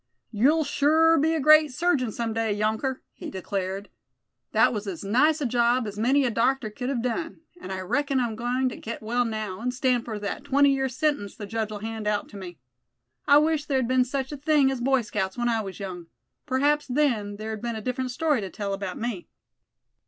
"You'll sure be a great surgeon some day, younker!" he declared. "That was as nice a job as many a doctor could have done. And I reckon I'm agoin' to get well now, and stand for that twenty year sentence the judge'll hand out to me. I wish there had been such a thing as Boy Scouts when I was young; p'raps, then, there'd been a different story to tell about me."